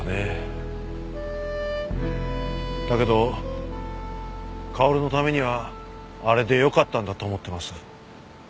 だけど薫のためにはあれでよかったんだと思ってます。